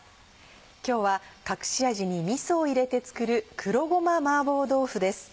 今日は隠し味にみそを入れて作る「黒ごま麻婆豆腐」です。